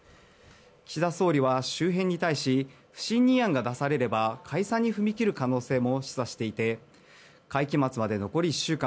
岸田総理は周辺に対し不信任案が出されれば解散に踏み切る可能性も示唆していて会期末まで残り１週間。